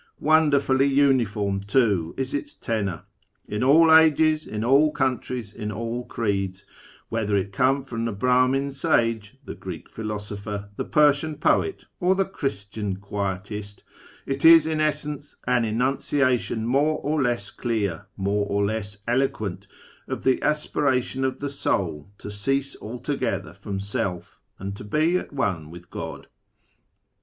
Wonderfully uniform, too, is its tenour : in all ages, in all countries, in all creeds, whether it come from the Brahmin sage, the Greek philosopher, the Persian poet, or the Christian quietist, it is in essence an enunciation more or less clear, more or less eloquent, of the aspiration of the soul to cease altogether from self, and to be at one with God.